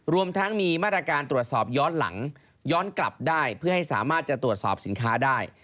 รวมทั้งมีมาตรการตรวจสอบย้อนหลังย้อนกลับได้เพื่อให้สามารถจะตรวจสอบสินค้าได้